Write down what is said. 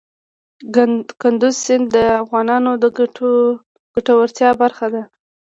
کندز سیند د افغانانو د ګټورتیا برخه ده.